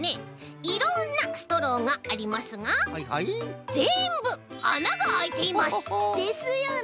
いろんなストローがありますがぜんぶあながあいています！ですよね！